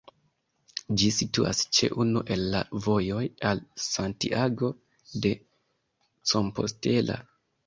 Ĝi situas ĉe unu el la vojoj al Santiago de Compostela.